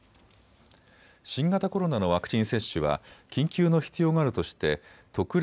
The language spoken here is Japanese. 新型コロナのワクチン接種は緊急の必要があるとして特例